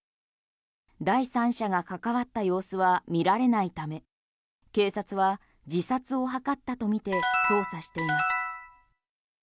第三者が関わった様子は見られないため警察は自殺を図ったとみて捜査しています。